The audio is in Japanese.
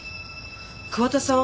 桑田さん